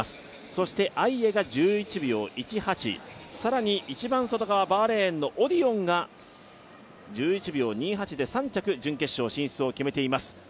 そしてアイエが１１秒１８、更にバーレーンのオディオンが１１秒２８で３着、準決勝進出を決めています。